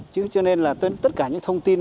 chứ cho nên là tất cả những thông tin